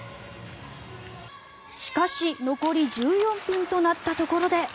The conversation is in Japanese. しかし残り１４分となったところで。